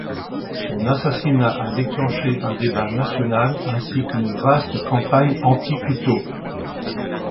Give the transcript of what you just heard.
Son assassinat a déclenché un débat national ainsi qu'une vaste campagne anti-couteaux.